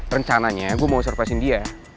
rencananya gue mau surprisein dia